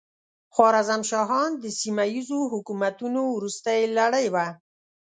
خوارزم شاهان د سیمه ییزو حکومتونو وروستۍ لړۍ وه.